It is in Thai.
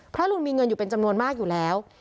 ลุนมีเงินอยู่เป็นจำนวนมากอยู่แล้ว